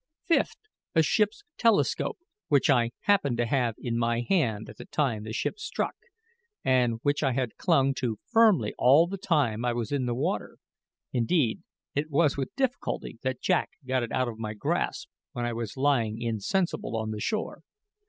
Fifth, a ship's telescope, which I happened to have in my hand at the time the ship struck, and which I had clung to firmly all the time I was in the water; indeed, it was with difficulty that Jack got it out of my grasp when I was lying insensible on the shore.